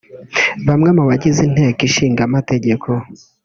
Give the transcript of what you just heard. Bamwe mu bagize Inteko Ishinga Amategeko